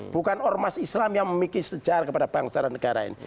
bukan ormas islam yang memiliki sejarah kepada bangsa dan negara ini